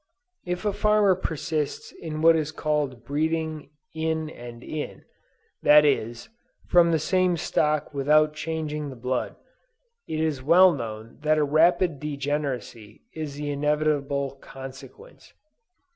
If a farmer persists in what is called "breeding in and in," that is, from the same stock without changing the blood, it is well known that a rapid degeneracy is the inevitable consequence.